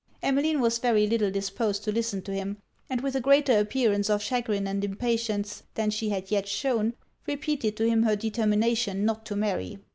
Emmeline was very little disposed to listen to him; and with a greater appearance of chagrin and impatience than she had yet shewn, repeated to him her determination not to marry.